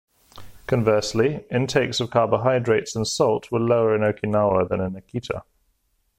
Conversely, intakes of carbohydrates and salt were lower in Okinawa than in Akita.